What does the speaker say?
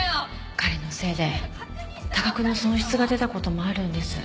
彼のせいで多額の損失が出た事もあるんです。